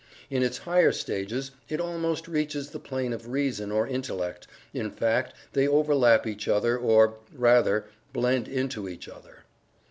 In its higher stages it almost reaches the plane of Reason or Intellect, in fact, they overlap each other, or, rather, blend into each other.